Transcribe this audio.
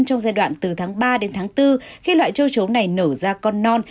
trong giai đoạn từ tháng ba đến tháng bốn khi loại châu chấu này nở ra con non